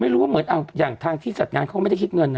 หรือว่าเหมือนอย่างทางที่จัดงานเขาก็ไม่ได้คิดเงินนะ